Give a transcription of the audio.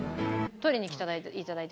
取りに来て頂いて。